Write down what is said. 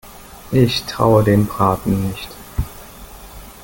Ich traue dem Braten nicht.